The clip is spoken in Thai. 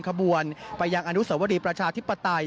ขบวนไปยังอนุสวรีประชาธิปไตย